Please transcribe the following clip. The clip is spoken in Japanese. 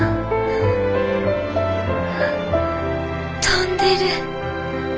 飛んでる。